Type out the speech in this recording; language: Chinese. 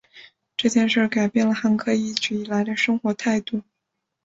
这件事改变了汉克一直以来的生活态度。